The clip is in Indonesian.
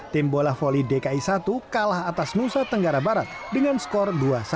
tim bola voli dki satu kalah atas nusa tenggara barat dengan skor dua satu